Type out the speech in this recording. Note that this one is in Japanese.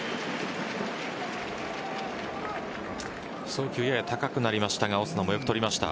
送球、やや高くなりましたがオスナもよく捕りました。